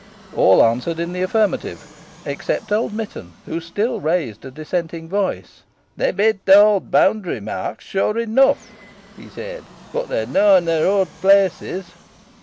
All answered in the affirmative except old Mitton, who still raised a dissenting voice. "They be th' owd boundary marks, sure enough," he said; "boh they are neaw i' their owd places."